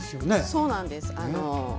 そうなんです。